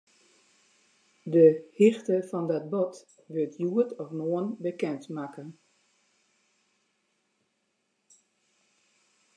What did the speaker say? De hichte fan dat bod wurdt hjoed of moarn bekendmakke.